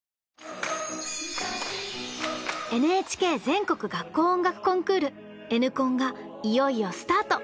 ＮＨＫ全国学校音楽コンクール「Ｎコン」がいよいよスタート！